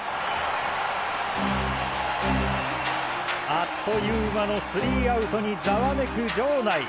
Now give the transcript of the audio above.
あっという間のスリーアウトにザワめく場内！